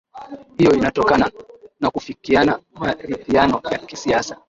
hiyo inatokana nakufikiana maridhiano ya kisiasa